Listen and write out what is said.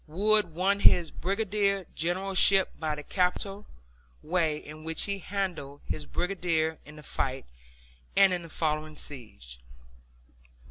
Wood won his brigadier generalship by the capital way in which he handled his brigade in the fight, and in the following siege.